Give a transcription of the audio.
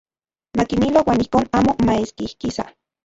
Makimilo uan ijkon amo maeskijkisa.